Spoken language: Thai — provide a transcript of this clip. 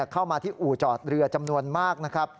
เข้ามาที่อู่จอดเรือจำนวนมากนะครับ